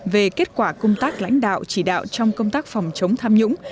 về kết quả công tác lãnh đạo chỉ đạo trong công tác phòng chống tham nhũng